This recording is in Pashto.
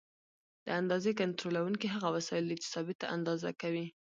د اندازې کنټرولونکي هغه وسایل دي چې ثابته اندازه کوي.